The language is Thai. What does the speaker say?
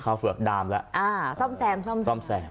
เข้าเฝือกดามแล้วอ่าซ่อมแซมซ่อมแซม